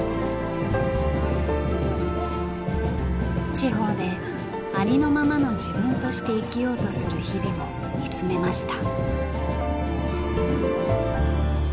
地方でありのままの自分として生きようとする日々を見つめました。